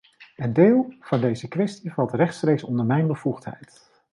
Een deel van deze kwestie valt rechtstreeks onder mijn bevoegdheid.